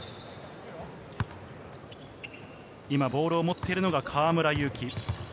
今、ボールを持っているのが河村勇輝。